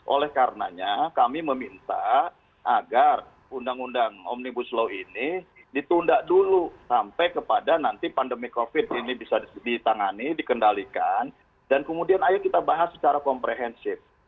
oleh karenanya kami meminta agar undang undang omnibus law ini ditunda dulu sampai kepada nanti pandemi covid ini bisa ditangani dikendalikan dan kemudian ayo kita bahas secara komprehensif